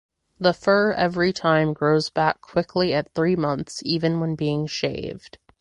The fur every time grows back quickly at three months even when being shaved.